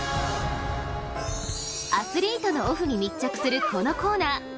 アスリートのオフに密着するこのコーナー。